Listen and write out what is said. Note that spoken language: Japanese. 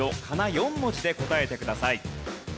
４文字で答えてください。